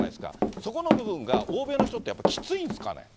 そこの部分が欧米の人って、やっぱりきついんすかね？